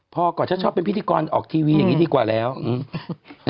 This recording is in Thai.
พอก่อนฉันชอบเป็นพิธีกรออกทีวีอย่างงี้ดีกว่าแล้วอืม